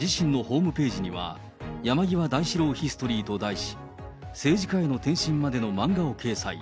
自身のホームページには、山際大志郎ヒストリーと題し、政治家への転身までの漫画を掲載。